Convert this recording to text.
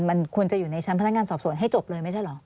มันควรจะอยู่ในชั้นพนักงานสอบสวนให้จบเลยไม่ใช่เหรอ